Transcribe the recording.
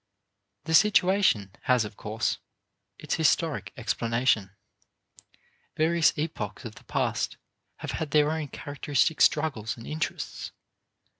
The situation has, of course, its historic explanation. Various epochs of the past have had their own characteristic struggles and interests.